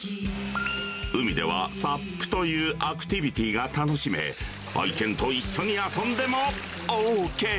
海では、サップというアクティビティが楽しめ、愛犬と一緒に遊んでもＯＫ。